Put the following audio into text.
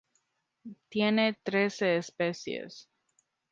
Tiene trece especies.